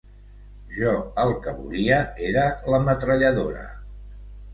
Jo el que volia era la metralladora.